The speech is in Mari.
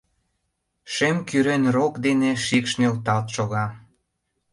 Шем-кӱрен рок дене шикш нӧлталт шога.